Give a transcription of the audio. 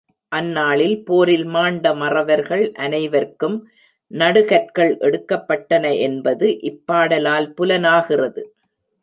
அந்நாளில் போரில் மாண்ட மறவர்கள் அனைவர்க்கும் நடுகற்கள் எடுக்கப்பட்டன என்பது இப்பாடலால் புலனாகிறது.